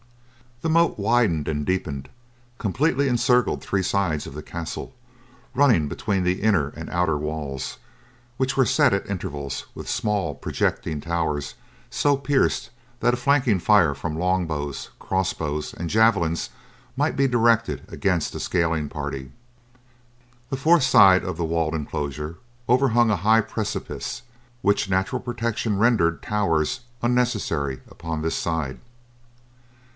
The moat, widened and deepened, completely encircled three sides of the castle, running between the inner and outer walls, which were set at intervals with small projecting towers so pierced that a flanking fire from long bows, cross bows and javelins might be directed against a scaling party. The fourth side of the walled enclosure overhung a high precipice, which natural protection rendered towers unnecessary upon this side.